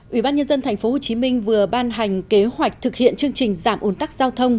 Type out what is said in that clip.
ủy ban nhân dân tp hcm vừa ban hành kế hoạch thực hiện chương trình giảm ồn tắc giao thông